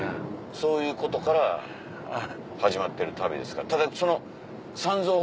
そういうことから始まってる旅ですから。